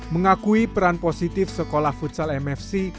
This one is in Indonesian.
mengakui peran positif sekolah futsal mfc